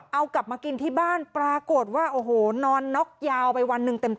เอากลับมากินที่บ้านปรากฏว่าโอ้โหนอนน็อกยาวไปวันหนึ่งเต็ม